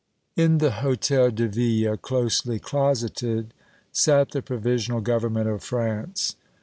In the Hôtel de Ville, closely closeted, sat the Provisional Government of France.